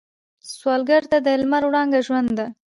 سوالګر ته د لمر وړانګه ژوند ده